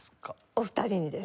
お二人にです。